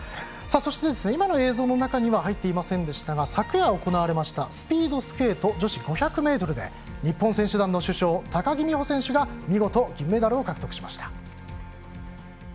そして今の映像の中には入っていませんが昨夜、行われましたスピードスケート女子５００ｍで日本選手団の主将高木美帆選手が見事、銀メダルを獲得しました。